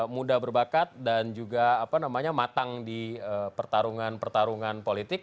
muda berbakat dan juga matang di pertarungan pertarungan politik